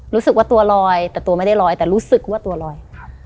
รู้สึกว่าตัวลอยแต่ตัวไม่ได้ลอยแต่รู้สึกว่าตัวลอย